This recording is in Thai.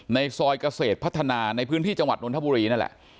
ในซอยเกษตรพัฒนาในพื้นที่จังหวัดนทบุรีนั่นแหละ